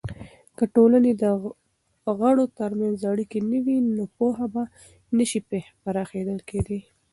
که د ټولني دغړو ترمنځ اړیکې نه وي، نو پوهه به نسي پراخه کیدلی.